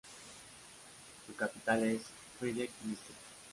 Su capital es Frýdek-Místek